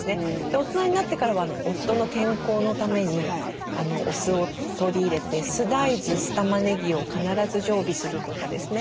大人になってからは夫の健康のためにお酢を取り入れて酢大豆酢たまねぎを必ず常備するとかですね。